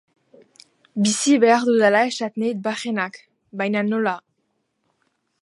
Bizi behar dudala esaten dit barrenak, baina nola?